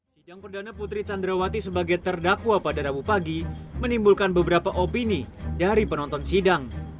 sidang perdana putri candrawati sebagai terdakwa pada rabu pagi menimbulkan beberapa opini dari penonton sidang